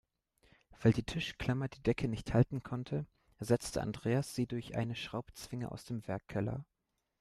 Weil die Tischklammer die Decke nicht halten konnte, ersetzte Andreas sie durch eine Schraubzwinge aus dem Werkkeller.